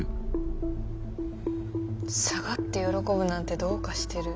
下がって喜ぶなんてどうかしてる。